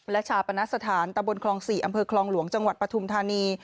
และชาปณสถานตะบนคลอง๔อำเภอคลองหลวงจังหวัดปฐุมธานี